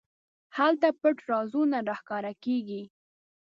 هلته پټ رازونه راښکاره کېږي.